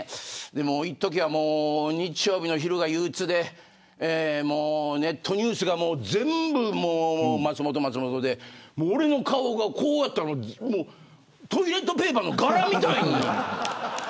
いっときは日曜日の昼が憂鬱でネットニュースが全部松本、松本で俺の顔がこうあったらトイレットペーパーの柄みたいに。